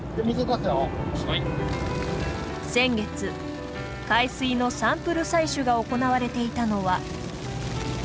先月海水のサンプル採取が行われていたのは。